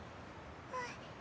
うん。